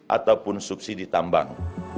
ataupun subsidi tambang